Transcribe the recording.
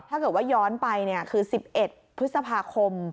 ถ้าเกิดว่าย้อนไปคือ๑๑พฤษภาคม